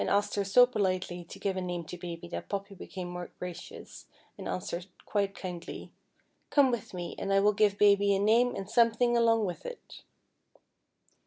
sked her so politely to give a name to Baby that Poppy became more gracious, and answered quite kindly: "Come with me, and I will give Baby a name and something along with it."